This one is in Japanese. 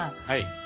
はい。